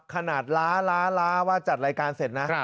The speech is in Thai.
ขนาดล้าล้าว่าจัดรายการเสร็จนะ